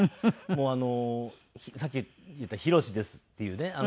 もうあのさっき言った「ヒロシです」っていうね